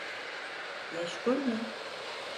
Meşgul mü?